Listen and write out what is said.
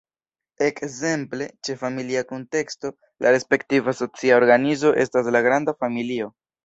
Ekzemple, ĉe familia kunteksto la respektiva socia organizo estas la granda familio.